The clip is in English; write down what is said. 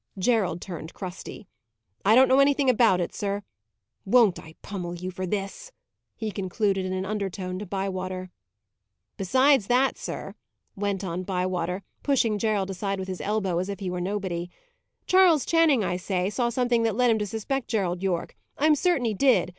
Gerald turned crusty. "I don't know anything about it, sir. Won't I pummel you for this!" he concluded, in an undertone, to Bywater. "Besides that, sir," went on Bywater, pushing Gerald aside with his elbow, as if he were nobody: "Charles Channing, I say, saw something that led him to suspect Gerald Yorke. I am certain he did.